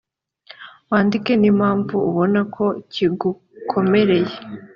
wandike n impamvu ubona ko kigukomereye